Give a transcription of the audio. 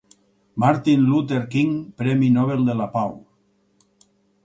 Martin Luther King, premi Nobel de la pau.